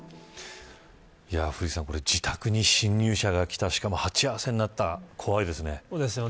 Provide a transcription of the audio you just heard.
自宅に侵入者が来たしかも鉢合わせになった怖いですね。